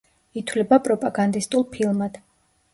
ითვლება პროპაგანდისტულ ფილმად.